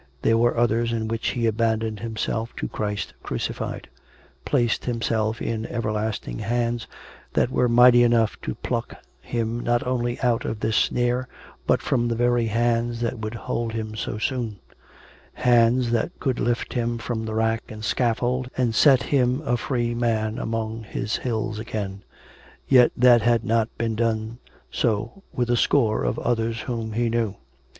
There were others in which he abandoned himself to Christ crucified; placed himself in Everlasting Hands that were mighty enough to pluck him not only out of this snare, but from the very hands that would hold him so soon; Hands that could lift him from the rack and scaffold and set him a free man among his hills again: yet that had not done so with a score of others whom he knew.